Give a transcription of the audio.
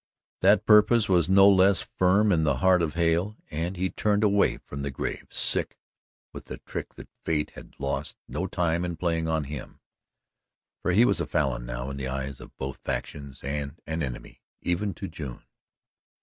That purpose was no less firm in the heart of Hale, and he turned away from the grave, sick with the trick that Fate had lost no time in playing him; for he was a Falin now in the eyes of both factions and an enemy even to June.